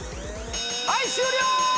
はい終了！